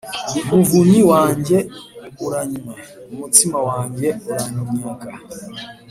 umuvinyu wanjye uranywa, umutsima wanjye uranyaga.